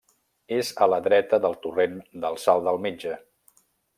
És a la dreta del torrent del Salt del Metge.